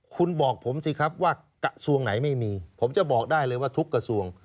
คุณบอกผมสิครับว่ากระทรวงไหนไม่มีผมจะบอกได้เลยว่าทุกกระทรวง